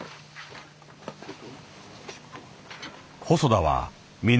細田は見